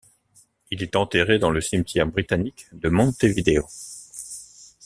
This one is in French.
Il est enterré dans le cimetière britannique de Montevideo.